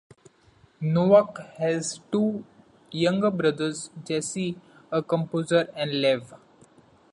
Novak has two younger brothers, Jesse, a composer, and Lev.